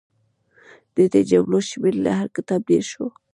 د دې جملو شمېر له هر کتاب ډېر شو.